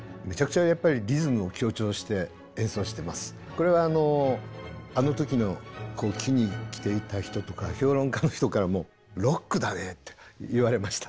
これはあの時の聴きに来ていた人とか評論家の人からもロックだねって言われました。